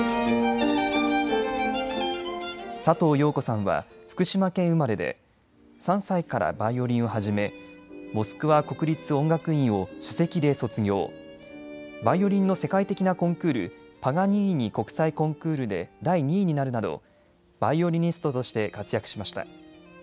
佐藤陽子さんは福島県生まれで３歳からバイオリンを始めモスクワ国立音楽院を首席で卒業、バイオリンの世界的なコンクール、パガニーニ国際コンクールで第２位になるなどバイオリニストとして活躍しました。